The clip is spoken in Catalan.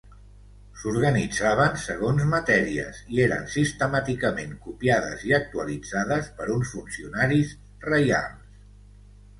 S'organitzaven segons matèries i eren sistemàticament copiades i actualitzades per uns funcionaris reials.